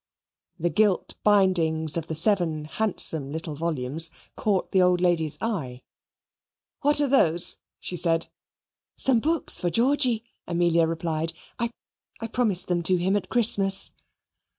The gilt bindings of the seven handsome little volumes caught the old lady's eye. "What are those?" she said. "Some books for Georgy," Amelia replied "I I promised them to him at Christmas."